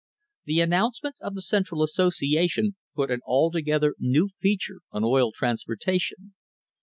The announcement of the Central Association put an alto gether new feature on oil transportation.